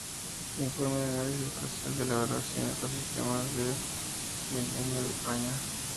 Informe de Análisis Espacial de la Evaluación de Ecosistemas del Milenio de España.